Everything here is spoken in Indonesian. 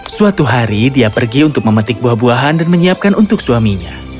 suatu hari dia pergi untuk memetik buah buahan dan menyiapkan untuk suaminya